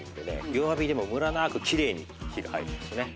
弱火でもムラなくきれいに火が入るんですね。